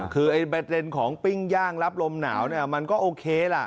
คือแบตเรนของปิ้งย่างรับลมหนาวมันก็โอเคล่ะ